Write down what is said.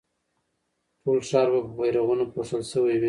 ټول ښار به په بيرغونو پوښل شوی وي.